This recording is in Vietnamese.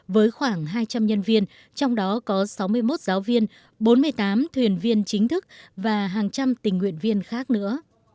với khoảng hai trăm linh nhân viên trong đó có sáu mươi một giáo viên bốn mươi tám thuyền viên chính thức và hàng trăm tình nguyện viên khác nữa